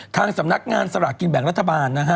ทางสำนักงานสลากกินแบ่งรัฐบาลนะฮะ